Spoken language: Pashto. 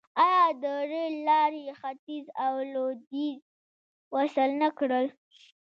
آیا د ریل لارې ختیځ او لویدیځ وصل نه کړل؟